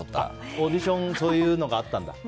オーディション、そういうのがあったんだ。